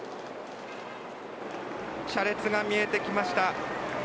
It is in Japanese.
車列が見えてきました。